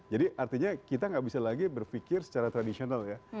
jadi artinya kita gak bisa lagi berpikir secara tradisional ya